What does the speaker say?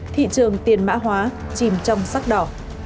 thị trường tiền mã hóa chìm trong sắc đỏ